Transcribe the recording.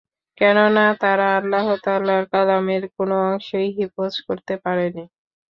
কেননা, তারা আল্লাহ তাআলার কালামের কোন অংশই হিফজ করতে পারেনি।